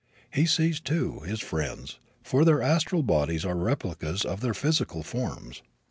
He sees, too, his friends, for their astral bodies are replicas of their physical forms.